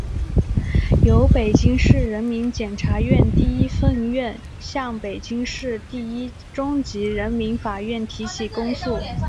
由北京市人民检察院第一分院向北京市第一中级人民法院提起公诉